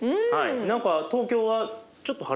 何か東京はちょっと晴れてきたね。